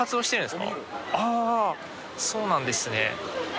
そうなんですね。